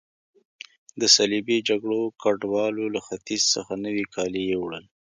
د صلیبي جګړو ګډوالو له ختیځ څخه نوي کالي یوړل.